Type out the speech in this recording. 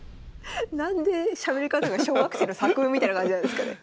何でしゃべり方が小学生の作文みたいな感じなんですかね。